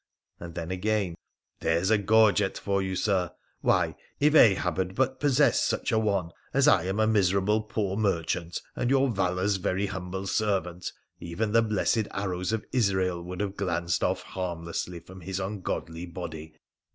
' and then again, ' There's a gorget for you, Sir ! Why, if Ahab had but possessed such a one, as I am a miserable poor merchant and your Valour's very humble servant, even the blessed arrows of Israel would have glanced off harmlessly from his ungodly body